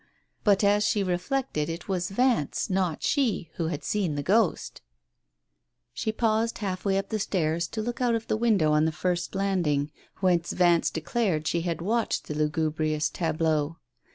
But as she reflected it was Vance, not she, who had seen the ghost 1 She paused half way up the stairs to look out of the wiridow on the first landing, whence Vance declared she had watched the lugubrious tableau.